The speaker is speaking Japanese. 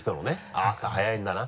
あぁ朝早いんだな。